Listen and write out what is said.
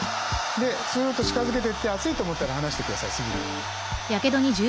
すっと近づけていって熱いと思ったら離してくださいすぐに。